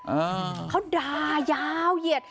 มันเป็นไหมอันนี้